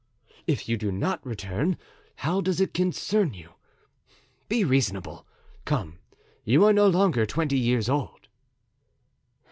"If you do not return, how does it concern you? Be reasonable. Come, you are no longer twenty years old."